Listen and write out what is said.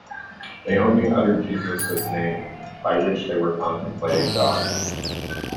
They only uttered Jesus' name by which they were contemplating God.